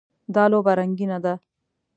دا لوبه رنګینه ده.